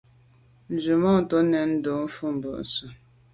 Nzwimàntô nèn ndo’ fotmbwe se.